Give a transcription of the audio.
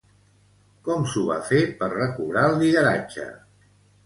Com s'ho va fer per recobrar el lideratge?